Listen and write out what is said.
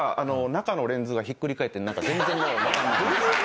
中のレンズがひっくり返って全然わかんなくなった。